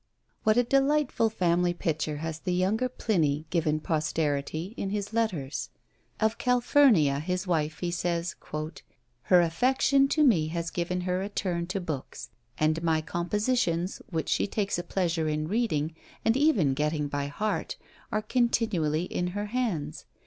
What a delightful family picture has the younger Pliny given posterity in his letters! Of Calphurnia, his wife, he says, "Her affection to me has given her a turn to books; and my compositions, which she takes a pleasure in reading, and even getting by heart, are continually in her hands.